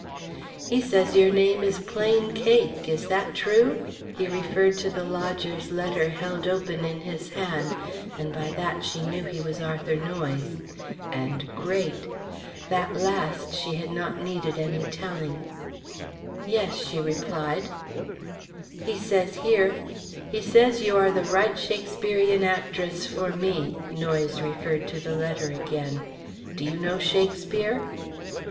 "He says your name is Plain Cake is that true?" He referred to the lodger's letter held open in his hand, and by that she knew he was Arthur Noyes. And great. That last she had not needed any telling. "Yes," she replied. "He says you are the right Shakespearian actress for me," Noyes referred to the letter again. "Do you know Shakespeare?"